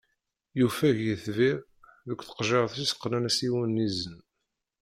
Yufeg yitbir, deg tqejjirt-is qqnen-as yiwen n izen.